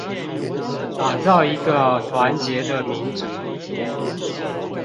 打造一個團結的民主